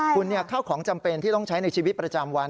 คุณข้าวของจำเป็นที่ต้องใช้ในชีวิตประจำวัน